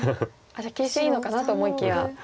じゃあ形勢いいのかなと思いきや。